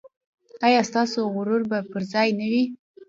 ایا ستاسو غرور به پر ځای نه وي؟